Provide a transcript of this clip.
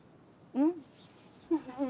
うん。